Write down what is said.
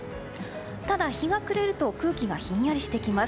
ただ、日が暮れると空気がひんやりしてきます。